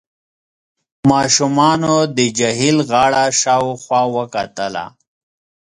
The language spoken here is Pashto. ماشومانو د جهيل غاړه شاوخوا وکتله.